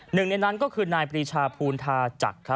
หนึ่งในนั้นก็คือนายปรีชาภูณธาจักร